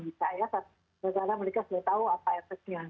bisa ya karena mereka sudah tahu apa efeknya